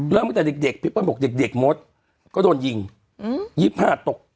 ตั้งแต่เด็กพี่เปิ้ลบอกเด็กมดก็โดนยิง๒๕ตก